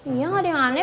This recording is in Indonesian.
iya gak ada yang aneh